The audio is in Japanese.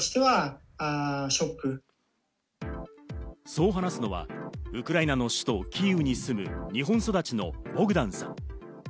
そう話すのはウクライナの首都キーウに住む日本育ちのボグダンさん。